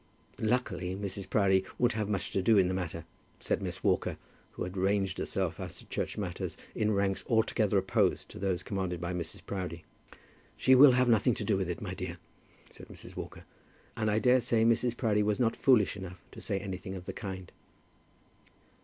"Luckily Mrs. Proudie won't have much to do in the matter," said Miss Walker, who ranged herself, as to church matters, in ranks altogether opposed to those commanded by Mrs. Proudie. "She will have nothing to do with it, my dear," said Mrs. Walker; "and I daresay Mrs. Proudie was not foolish enough to say anything of the kind."